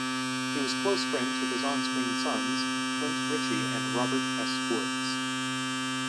He was close friends with his on-screen sons, Clint Ritchie and Robert S. Woods.